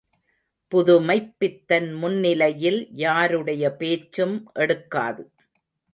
புதுமைப்பித்தன் முன்னிலையில் யாருடைய பேச்சும் எடுக்காது.